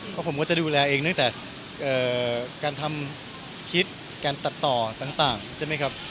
เพราะผมก็จะดูแลเองตั้งแต่การทำคิดการตัดต่อต่างใช่ไหมครับ